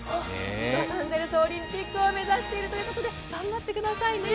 ロサンゼルスオリンピックを目指しているということで頑張ってくださいね。